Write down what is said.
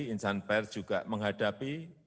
insan pers juga menghadapi